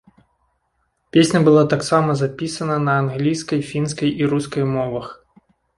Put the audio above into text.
Песня была таксама запісана на англійскай, фінскай і рускай мовах.